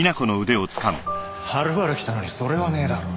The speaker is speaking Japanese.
はるばる来たのにそれはねえだろ。